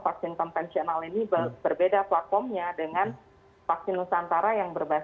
juga sangatpeep apa dia biasa mengatakan seperti perbedaan argumennya tiga empat this channel ini